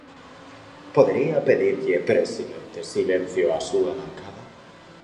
¿Podería pedirlle, presidente, silencio á súa bancada?